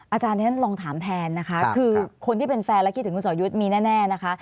อาจารย์ลองถามแทนนะคะคือคนที่เป็นแฟนและคิดถึงคุณสอยุทธ์มีแน่นะคะ